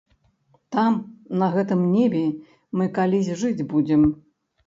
Там, на гэтым небе, мы калісь жыць будзем.